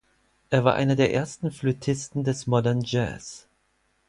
Er war einer der ersten Flötisten des Modern Jazz.